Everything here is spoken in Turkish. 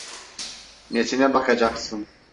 Nesine bakacaksın?